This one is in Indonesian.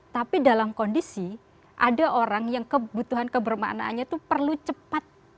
tapi dalam kondisi ada orang yang kebutuhan kebermaknaannya itu perlu cepat